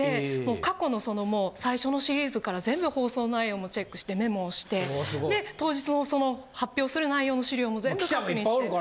過去のそのもう最初のシリーズから全部放送内容もチェックしてメモをしてで当日もその発表する内容の資料も全部確認して。